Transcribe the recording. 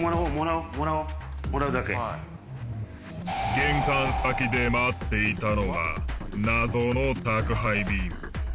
玄関先で待っていたのは謎の宅配便。